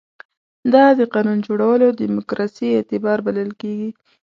دا د قانون جوړولو دیموکراسي اعتبار بلل کېږي.